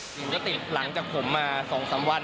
หญิงก็ติดหลังจากผมมา๒๓วัน